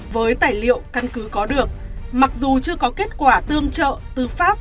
với tài liệu căn cứ có được mặc dù chưa có kết quả tương trợ tư pháp